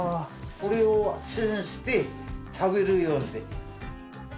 これをチンして食べるように。